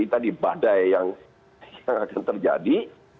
tadi badai yang akan terjadi